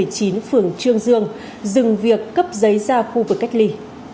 phường trương dương việc cấp giấy ra khu vực cách ly